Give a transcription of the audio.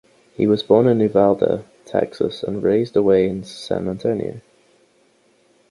He was born in Uvalde, Texas, and raised away in San Antonio.